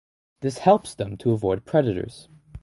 This helps them to avoid predators.